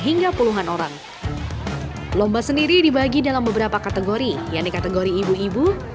menarik karena adik adik ada bapak bapak ada ibu ibu